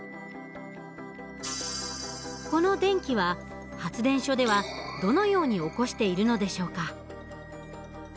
この電気は発電所ではどのように起こしているのでしょうか？